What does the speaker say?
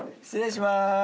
失礼します。